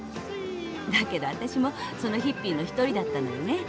だけど私もそのヒッピーの一人だったのよね。